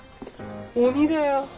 鬼だよ。